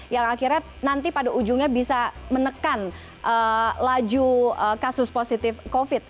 yang akhirnya nanti pada ujungnya bisa menekan laju kasus positif covid